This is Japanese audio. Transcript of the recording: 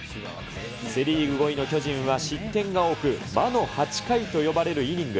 セ・リーグ５位の巨人は失点が多く、魔の８回と呼ばれるイニング。